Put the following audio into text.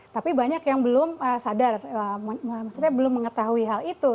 tapi banyak yang belum sadar maksudnya belum mengetahui hal itu